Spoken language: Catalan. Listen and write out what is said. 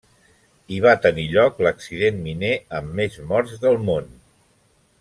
Hi va tenir lloc l'accident miner amb més morts del món.